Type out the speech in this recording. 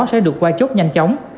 sẽ được qua chốt nhanh chóng